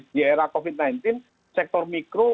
di era covid sembilan belas sektor mikro